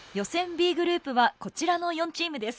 Ｂグループはこちらの４チームです。